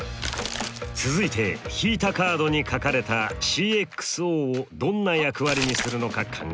続いて引いたカードに書かれたＣｘＯをどんな役割にするのか考えます。